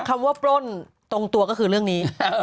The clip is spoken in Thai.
คำว่าปล้นตรงตัวก็คือเรื่องนี้